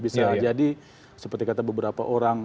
bisa jadi seperti kata beberapa orang